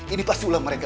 ini pas ulang mereka